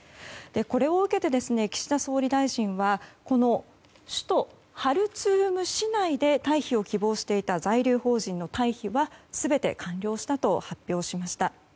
これを受けて岸田総理大臣は首都ハルツーム市内で退避を希望していた在留邦人の退避は全て完了したと発表しました。